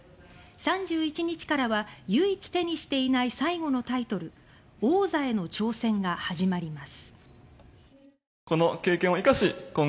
３１日からは唯一手にしていない最後のタイトル「王座」への挑戦が始まります。